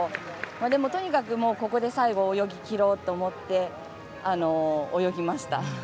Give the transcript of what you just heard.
でも、とにかくここで最後泳ぎきろうと思って泳ぎました。